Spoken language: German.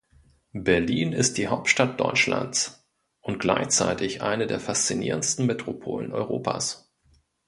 Berlin ist die Hauptstadt Deutschlands und gleichzeitig eine der faszinierendsten Metropolen Europas.